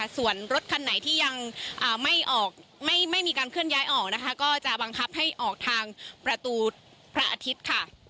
ส่วนรถคันไหนที่ยังไม่มีการเคลื่อนย้ายออกนะคะก็จะบังคับให้ออกทางประตูพระอาทิตย์ค่ะ